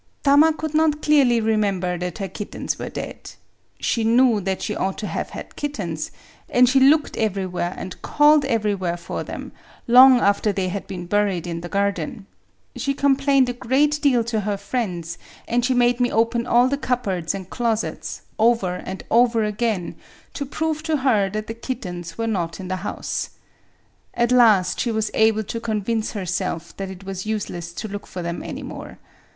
Tama could not clearly remember that her kittens were dead. She knew that she ought to have had Digitized by Googk PATHOLOGICAL 223 kittens; and she looked everywhere and called everywhere for them, long after they had been buried in the garden. She complained a great deal to her friends ; and she made me open all the cup boards and closets, — over and over again, — to prove to her that the kittens were not in the house. At last she was able to convince herself that it was useless to look for them any more.